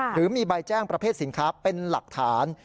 หรือมีใบแจ้งประเภทสินค้าเป็นหลักฐาน